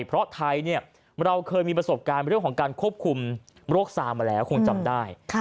เพราะไทยเราเคยมีประสบการณ์เรื่องของการควบคุมโรคซามาแล้วคงจำได้